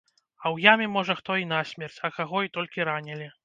А ў яме можа хто і насмерць, а каго і толькі ранілі.